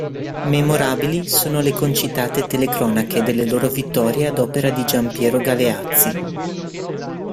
Memorabili sono le concitate telecronache delle loro vittorie ad opera di Giampiero Galeazzi.